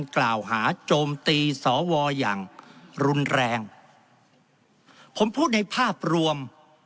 กล่าวหาโจมตีสวอย่างรุนแรงผมพูดในภาพรวม